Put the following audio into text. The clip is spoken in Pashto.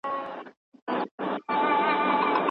هغه څوک چي سیاست کوي باید د ټولني په نبض پوه سي.